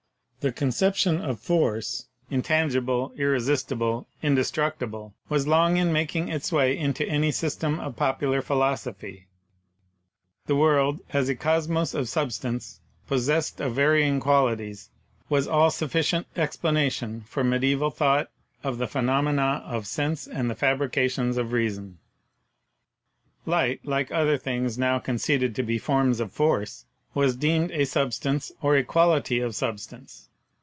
The conception of Force — intangible, ir resistible, indestructible — was long in making its way into any system of popular philosophy ; the world, as a cosmos of Substance possessed of varying Qualities, was all suffi cient explanation for medieval thought of the phenomena of Sense and the fabrications of Reason. 63 64 PHYSICS Light, like other things now conceded to be forms of force, was deemed a substance or a quality of substance.